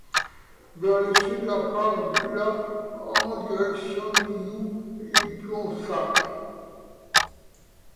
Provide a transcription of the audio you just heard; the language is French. Vers le sud, la part de la en direction de Youx et Pionsat.